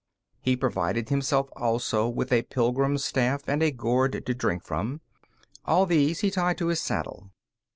He provided himself also with a pilgrim's staff and a gourd to drink from. All these he tied to his saddle.